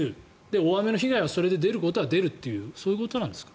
大雨の被害が出ることは出るというそういうことなんですか？